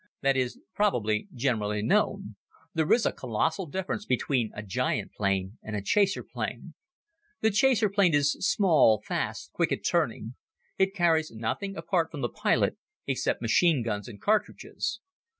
That is probably generally known. There is a colossal difference between a giant plane and a chaser plane. The chaser plane is small, fast, quick at turning. It carries nothing apart from the pilot except machine guns and cartridges.